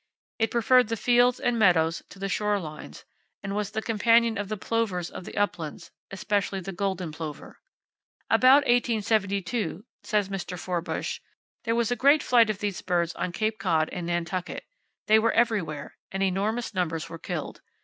It preferred the fields and meadows to the shore lines, and was the companion of the plovers of the uplands, especially the golden plover. "About 1872," says Mr. Forbush, "there was a great flight of these birds on Cape Cod and Nantucket. They were everywhere; and enormous numbers were killed.